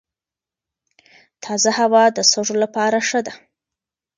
تازه هوا د سږو لپاره ښه ده.